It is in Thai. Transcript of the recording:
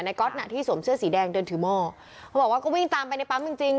ก๊อตน่ะที่สวมเสื้อสีแดงเดินถือหม้อเขาบอกว่าก็วิ่งตามไปในปั๊มจริงจริง